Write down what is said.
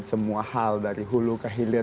semua hal dari hulu ke hilir